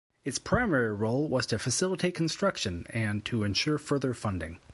Its primary role was to facilitate construction, and to ensure further funding.